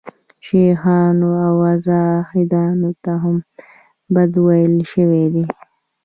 شیخانو او زاهدانو ته هم بد ویل شوي دي.